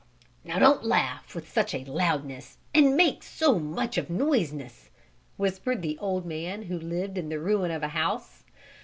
"Now don't laugh with such a loudness, and make so much of noiseness," whispered the old man who lived in the ruin of a house.